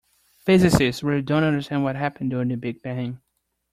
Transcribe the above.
Physicists really don't understand what happened during the big bang